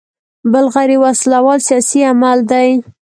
بل غیر وسله وال سیاسي عمل دی.